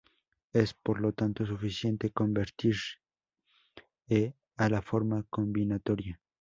Es por lo tanto suficiente convertir E a la forma combinatoria.